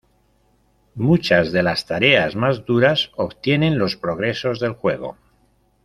Muchas de las tareas más duras obtienen los progresos del juego.